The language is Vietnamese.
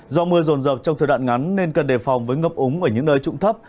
do mưa rồn rập trong thời đoạn ngắn nên cần đề phòng với ngập úng ở những nơi trụng thấp